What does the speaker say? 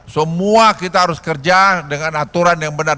semua kita harus kerja dengan aturan yang benar